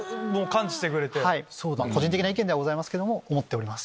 個人的な意見ですけども思っております。